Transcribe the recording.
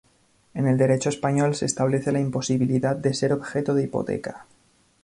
En el derecho español se establece la imposibilidad de ser objeto de hipoteca.